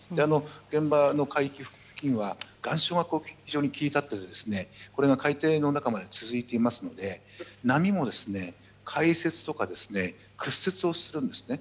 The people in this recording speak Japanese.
現場の海域付近は岩礁が非常に切り立っていてこれが海底の中まで続いていますので波も回折とか屈折をするんですね。